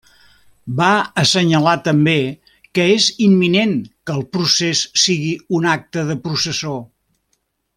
Va assenyalar també que és imminent que el procés sigui un acte de processó.